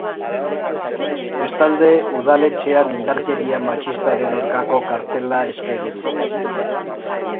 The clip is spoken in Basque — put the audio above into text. Bestalde, udaletxean indarkeria matxistaren aurkako kartela eskegi dute.